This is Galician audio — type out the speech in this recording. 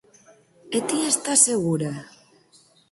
E ti estás segura?